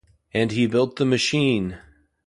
And he built The Machine!